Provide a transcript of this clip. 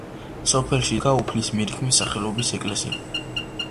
სოფელში იდგა უფლის მირქმის სახელობის ეკლესია.